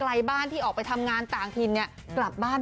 ขอให้ผลงานเพลงนี้เป็นกำลังใจให้กับคนไกลบ้าน